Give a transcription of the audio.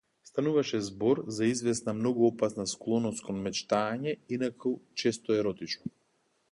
Стануваше збор за извесна многу опасна склоност кон мечтаење, инаку често еротично.